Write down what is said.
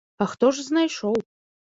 А хто ж знайшоў.